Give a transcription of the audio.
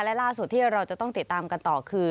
และล่าสุดที่เราจะต้องติดตามกันต่อคือ